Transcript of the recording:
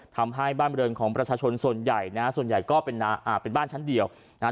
ทำให้บ้านบริเวณของประชาชนส่วนใหญ่นะฮะส่วนใหญ่ก็เป็นอ่าเป็นบ้านชั้นเดียวนะฮะ